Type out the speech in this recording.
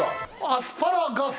アスパラガス。